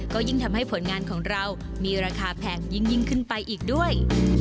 ก็ยิ่งทำให้ผลงานของเรามีราคาแพงยิ่งขึ้นไปอีกด้วย